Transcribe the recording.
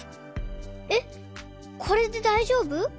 えっこれでだいじょうぶ？